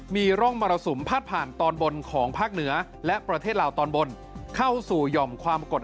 มีร่องมรสุมพาดผ่านตอนบนของภาคเหนือและประเทศลาวตอนบนเข้าสู่หย่อมความกด